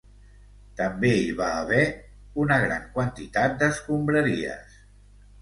També hi va haver una gran quantitat d'escombraries.